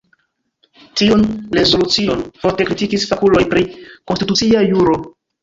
Tiun rezolucion forte kritikis fakuloj pri Konstitucia Juro.